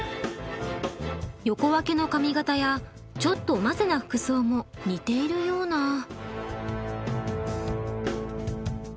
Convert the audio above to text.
横分けの髪形やちょっとおませな服装も似ているような。